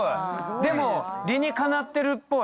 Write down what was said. でも理にかなってるっぽい。